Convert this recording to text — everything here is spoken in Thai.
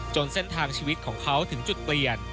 เส้นทางชีวิตของเขาถึงจุดเปลี่ยน